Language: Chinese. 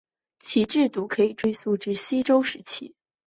其制度可以追溯至西周时期。